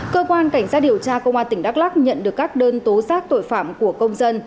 cơ quan cảnh sát điều tra công an tỉnh đắk lắc nhận được các đơn tố giác tội phạm của công dân